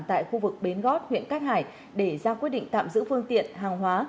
tại khu vực bến gót huyện cát hải để ra quyết định tạm giữ phương tiện hàng hóa